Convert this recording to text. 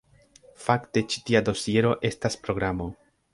Fakte ĉi tia dosiero estas programo.